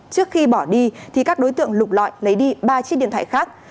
trước khi bỏ đi thì các đối tượng lục lọi lấy đi ba chiếc điện thoại khác